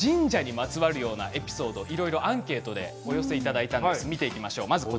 他にも神社にまつわるようなエピソードいろいろアンケートでお寄せいただきました。